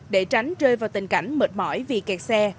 để tránh rơi vào tình cảnh mệt mỏi vì kẹt xe